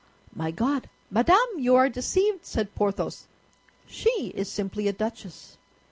"My God! Madame, you are deceived," said Porthos; "she is simply a duchess."